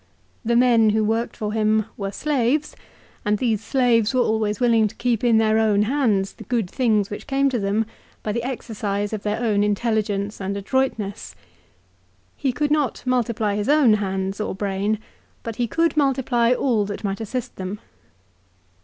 The men who worked for him were slaves, and these slaves were always willing to keep in their own hands the good things which came to them by the exercise of their own intelligence and adroitness. He could not multiply his own hands or brain, but he could multiply all that might assist them.